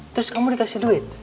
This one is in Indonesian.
terus kamu dikasih duit